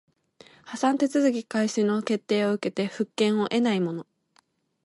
破産手続開始の決定を受けて復権を得ない者